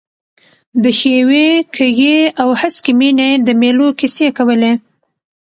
د ښیوې، کږې او هسکې مېنې د مېلو کیسې کولې.